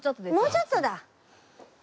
もうちょっとだ。